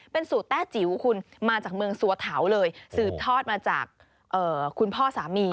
เป็นสูตรแต้จิ๋วคุณมาจากเมืองสัวเถาเลยสืบทอดมาจากคุณพ่อสามี